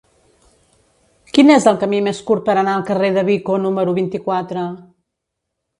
Quin és el camí més curt per anar al carrer de Vico número vint-i-quatre?